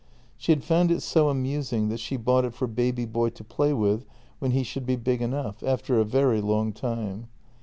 She had found it so amusing that she bought it for baby boy to play with when he should be big enough — after a very long time.